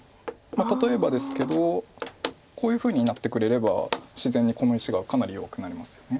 例えばですけどこういうふうになってくれれば自然にこの石がかなり弱くなりますよね。